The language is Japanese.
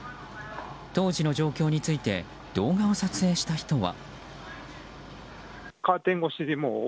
当時の状況について動画を撮影した人は。